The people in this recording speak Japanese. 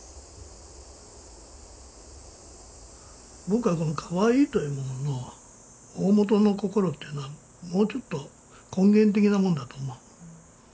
僕はこのかわいいというものの大本の心というのはもうちょっと根源的なもんだと思う。